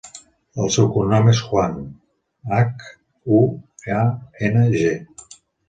El seu cognom és Huang: hac, u, a, ena, ge.